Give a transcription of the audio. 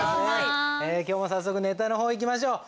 今日も早速ネタの方いきましょう。